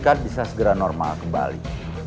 kalau dekat bisa segera normal kembali